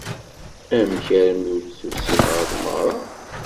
Amek armi ur d-tusim ɣer tmeɣra?